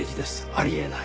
あり得ない。